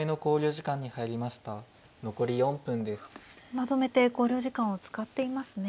まとめて考慮時間を使っていますね。